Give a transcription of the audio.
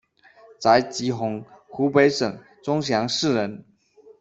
翟桔红，湖北省钟祥市人。